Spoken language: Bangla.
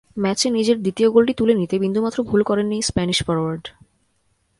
ম্যাচে নিজের দ্বিতীয় গোলটি তুলে নিতে বিন্দুমাত্র ভুল করেননি স্প্যানিশ ফরোয়ার্ড।